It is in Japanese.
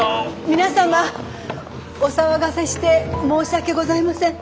皆様お騒がせして申し訳ございません。